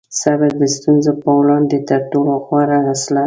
صبر د ستونزو په وړاندې تر ټولو غوره وسله ده.